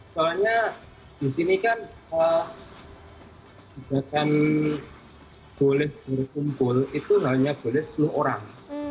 soalnya di sini kan boleh berkumpul itu hanya boleh sepuluh orang